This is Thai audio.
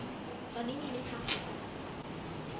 ตอนนี้มีไหมคะ